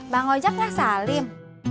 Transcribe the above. bang ojak gak salim